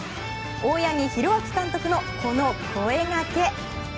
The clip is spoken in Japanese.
大八木弘明監督のこの声掛け。